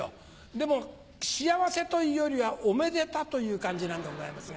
でも「幸せ」というよりは「おめでた」という感じなんでございますが。